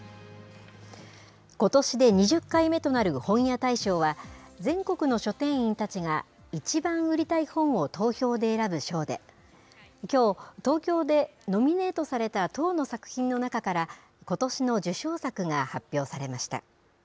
ことしで２０回目となる本屋大賞は、全国の書店員たちが、いちばん売りたい本を投票で選ぶ賞で、きょう、東京でノミネートされた１０の作品の中から、ことしの受賞作が発表されました。